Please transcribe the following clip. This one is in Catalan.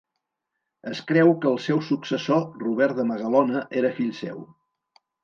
Es creu que el seu successor Robert de Magalona era fill seu.